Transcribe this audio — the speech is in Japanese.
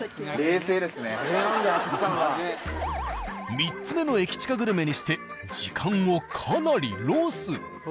３つ目のエキチカグルメにして時間をかなりロス。